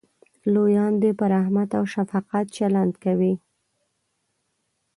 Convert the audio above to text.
لویان دې په رحمت او شفقت چلند کوي.